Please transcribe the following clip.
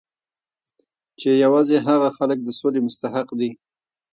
چې یوازې هغه خلک د سولې مستحق دي